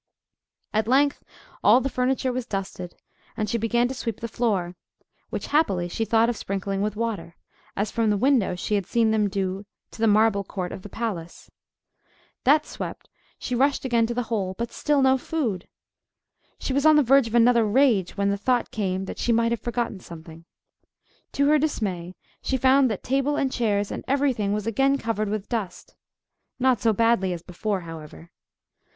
At length all the furniture was dusted, and she began to sweep the floor, which happily, she thought of sprinkling with water, as from the window she had seen them do to the marble court of the palace. That swept, she rushed again to the hole—but still no food! She was on the verge of another rage, when the thought came that she might have forgotten something. To her dismay she found that table and chairs and every thing was again covered with dust—not so badly as before, however.